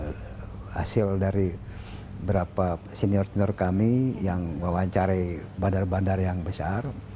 itu adalah hasil dari beberapa senior senior kami yang melancari bandar bandar yang besar